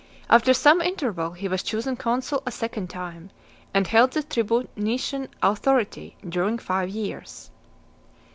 After some interval, he was chosen consul a second time, and held the tribunitian authority during five years.